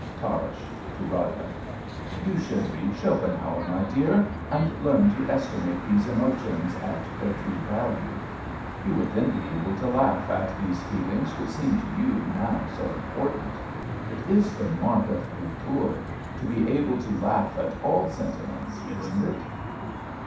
Tarrasch {to Rada). You should read Schopenhauer, my dear, and learn to estimate these emotions at their true value. You would then be able to laugh at these feelings which seem to you now so important. It is the mark of Kultur to be able to laugh at all sentiments. Isn't it?